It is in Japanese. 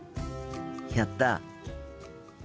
やった！